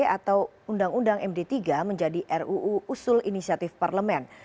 atau undang undang md tiga menjadi ruu usul inisiatif parlemen